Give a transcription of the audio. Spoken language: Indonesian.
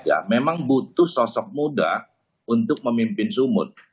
ya memang butuh sosok muda untuk memimpin sumut